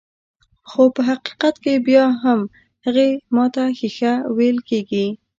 خو په حقيقت کې بيا هم هغې ته ماته ښيښه ويل کيږي.